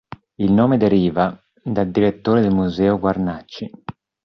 Il nome deriva dal direttore del museo Guarnacci.